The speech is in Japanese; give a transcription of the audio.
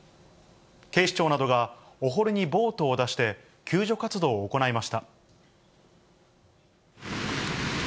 警視庁などが、お堀にボートを出して救助活動を行いました。